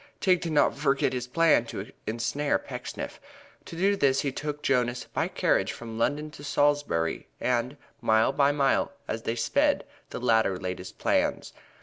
Tigg did not forget his plan to ensnare Pecksniff. To do this he took Jonas by carriage from London to Salisbury and, mile by mile, as they sped, the latter laid his plans.